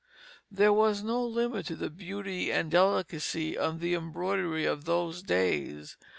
There was no limit to the beauty and delicacy of the embroidery of those days.